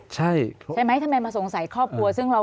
ใช่ไหมทำไมมาสงสัยครอบครัวซึ่งเรา